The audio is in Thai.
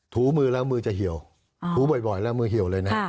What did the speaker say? ถูมือแล้วมือจะเหี่ยวถูบ่อยแล้วมือเหี่ยวเลยนะ